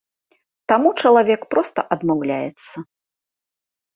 Таму чалавек проста адмаўляецца.